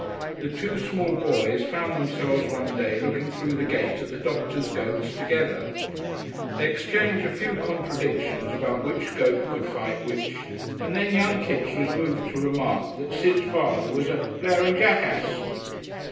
The two small boys found themselves one day looking through the gate at the doctor's goats together; they exchanged a few contradictions about which goat could fight which, and then young Kipps was moved to remark that Sid's father was a "blaring jackass."